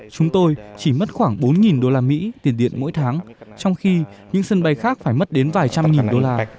chúng tôi chỉ mất khoảng bốn usd tiền điện mỗi tháng trong khi những sân bay khác phải mất đến vài trăm nghìn đô la